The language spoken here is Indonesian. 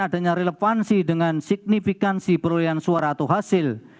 adanya relevansi dengan signifikansi perolehan suara atau hasil